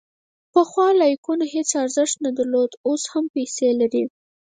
پخوا لایکونه هیڅ ارزښت نه درلود، اوس هم پیسې لري.